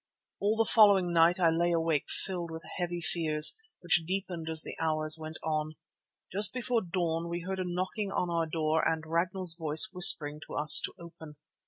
All the following night I lay awake filled with heavy fears which deepened as the hours went on. Just before dawn we heard a knocking on our door and Ragnall's voice whispering to us to open.